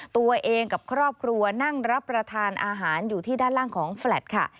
ตัวเองกับครอบครัวนั่งรับประทานอาหารอยู่ที่ด้านล่างของแฟลตค่ะ